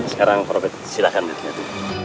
sekarang pak robert silahkan lihat lihat